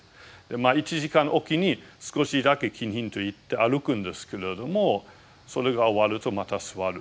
１時間おきに少しだけ「経行」といって歩くんですけれどもそれが終わるとまた坐る。